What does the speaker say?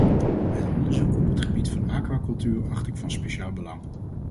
Het onderzoek op het gebied van aquacultuur acht ik van speciaal belang.